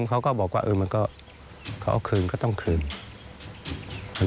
พวกผมก็บอกมันเขาก็ถึงก็ต้องเชื่ออย่างง่าย